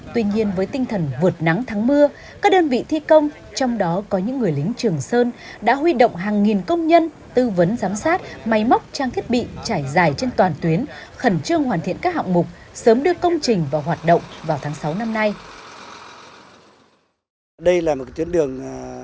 tuy nhiên với tinh thần vượt nắng thắng mưa các đơn vị thi công trong đó có những người lính trường sơn đã huy động hàng nghìn công nhân tư vấn giám sát máy móc trang thiết bị trải dài trên toàn tuyến khẩn trương hoàn thiện các hạng mục sớm đưa công trình vào hoạt động vào tháng sáu năm nay